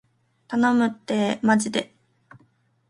頼むってーまじで